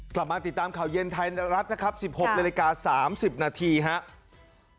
กลับมาติดตามข่าวเย็นไทยรัฐนะครับ๑๖นาฬิกา๓๐นาทีครับ